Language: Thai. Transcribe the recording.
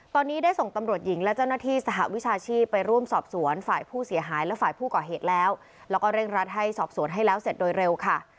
ตอนนี้ได้ส่งตำรวจหญิงและเจ้าหน้าที่สหวิชาชีพไปร่วมสอบสวนฝ่ายผู้เสียหายและฝ่ายผู้ก่อเหตุแล้วแล้วก็เร่งรัดให้สอบสวนให้แล้วเสร็จโดยเร็วค่ะ